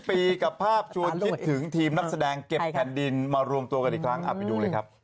ปีกับภาพชวนคิดถึงทีมนักแสดงเก็บแผ่นดินมารวมตัวกันอีกครั้งไปดูเลยครับ